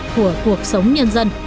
của cuộc sống nhân dân